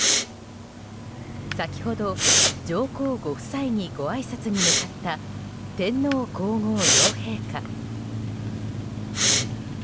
先ほど、上皇ご夫妻にごあいさつに向かった天皇・皇后両陛下。